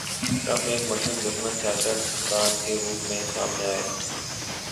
Trump ایک مسلم دشمن سیاست دان کے روپ میں سامنے آئے۔